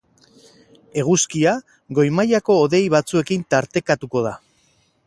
Eguzkia goi-mailako hodei batzuekin tartekatuko da.